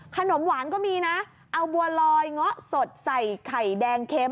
ขนมหวานก็มีนะเอาบัวลอยเงาะสดใส่ไข่แดงเค็ม